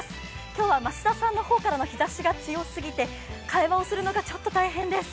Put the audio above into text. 今日は増田さんの方からの日ざしが強すぎて会話をするのがちょっと大変です。